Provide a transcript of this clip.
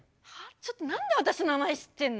ちょっと何で私の名前知ってんの？